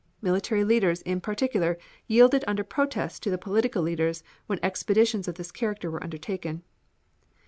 Military leaders in particular yielded under protest to the political leaders when expeditions of this character were undertaken.